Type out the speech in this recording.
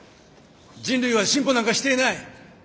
人類は進歩なんかしていない！